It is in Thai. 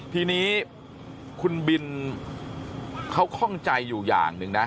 ทีนี้คุณบินเขาข้องใจอยู่อย่างหนึ่งนะ